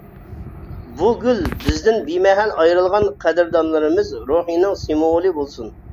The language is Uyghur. بۇ گۈل بىزدىن بىمەھەل ئايرىلغان قەدىردانلىرىمىز روھىنىڭ سىمۋولى بولسۇن.